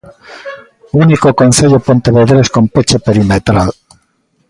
Único concello pontevedrés con peche perimetral.